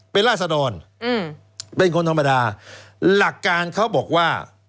เป็นราศดรอืมเป็นคนธรรมดาหลักการเขาบอกว่า